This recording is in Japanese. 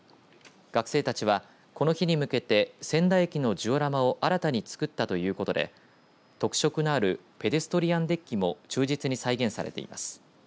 学生たちはこの日に向けて仙台駅のジオラマを新たに作ったということで特色のあるペデストリアンデッキも忠実に再現されています。